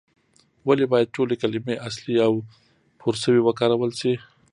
ولې باید ټولې کلمې اصلي او پورشوي وکارول شي؟